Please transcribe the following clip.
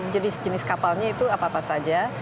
jenis jenis kapalnya itu apa apa saja